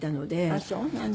あっそうなの。